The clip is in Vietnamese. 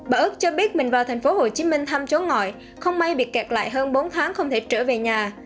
bà ước cho biết mình vào tp hcm thăm chỗ ngọi không may bị kẹt lại hơn bốn tháng không thể trở về nhà